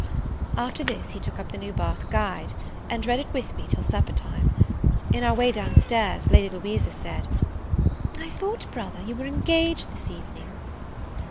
After this, he took up the New Bath Guide, and read it with me till supper time. In our way down stairs, Lady Louisa said, "I thought, brother, you were engaged this evening?"